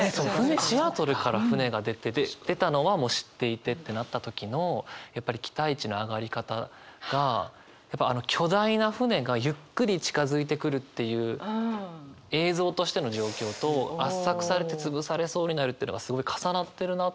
シアトルから船が出て出たのはもう知っていてってなった時のやっぱり期待値の上がり方があの巨大な船がゆっくり近づいてくるっていう映像としての状況と圧搾されて潰されそうになるっていうのがすごい重なってるなと思っていて。